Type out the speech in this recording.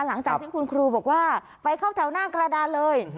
หลังจากที่คุณครูบอกว่าไปเข้าแถวหน้ากระดานเลย